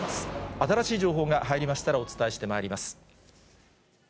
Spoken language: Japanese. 新しい情報が入りましたらお伝えしてまいります。